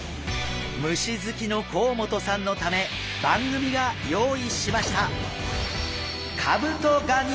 虫好きの甲本さんのため番組が用意しました。